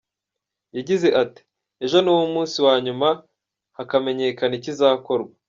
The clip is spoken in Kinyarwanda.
Yagize ati “ Ejo niwo munsi wa nyuma hakamenyekana ikizakorwa.